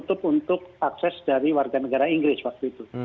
tutup untuk akses dari warga negara inggris waktu itu